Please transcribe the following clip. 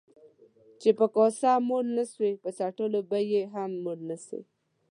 چي په کاسه موړ نسوې ، په څټلو به يې هم موړ نسې.